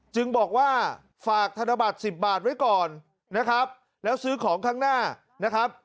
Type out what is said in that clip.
จึงบอกว่าฝากธนบัตร๑๐บาทไว้ก่อนนะครับแล้วซื้อของข้างหน้านะครับ